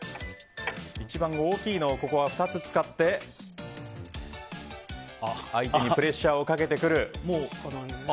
一番大きいのを２つ使って相手にプレッシャーをかけます。